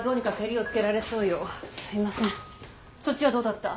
そっちはどうだった？